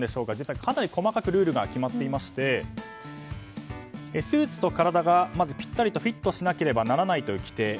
かなり細かくルールが決まっていましてスーツと体がぴったりとフィットしなければならないという規定。